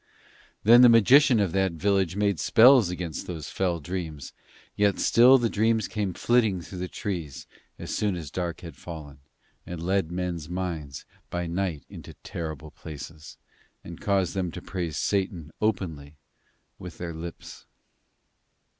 Then the magician of that village made spells against those fell dreams; yet still the dreams came flitting through the trees as soon as the dark had fallen, and led men's minds by night into terrible places and caused them to praise Satan openly with their lips.